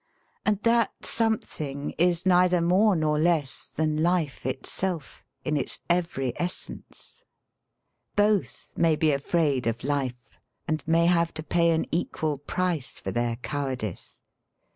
And that something is neither more nor less than life itself in its every essence. Both may be afraid of life and may have to pay an equal price for their cowardice.